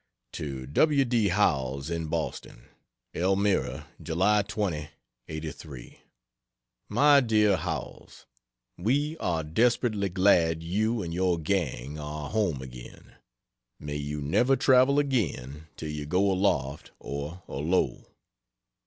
To W. D. Howells, in Boston: ELMIRA, July 20, '83. MY DEAR HOWELLS, We are desperately glad you and your gang are home again may you never travel again, till you go aloft or alow.